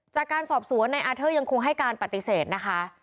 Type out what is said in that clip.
จากการสอบสวนในอาเทอร์ยังคงให้การปฏิเสธนะคะ